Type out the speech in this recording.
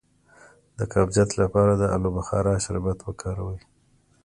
د قبضیت لپاره د الو بخارا شربت وکاروئ